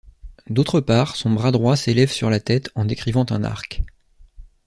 D'autre part, son bras droit s'élève sur la tête en décrivant un arc.